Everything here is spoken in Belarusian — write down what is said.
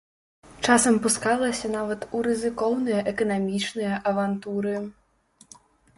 Часам пускалася нават у рызыкоўныя эканамічныя авантуры.